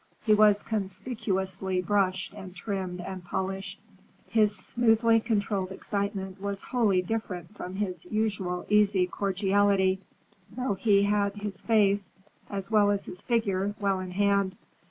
He was conspicuously brushed and trimmed and polished. His smoothly controlled excitement was wholly different from his usual easy cordiality, though he had his face, as well as his figure, well in hand.